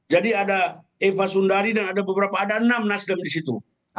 jadi ada eva sundari dan ada beberapa ada enam nasdem di situ